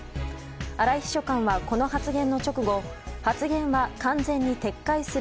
荒井秘書官はこの発言の直後発言は完全に撤回する。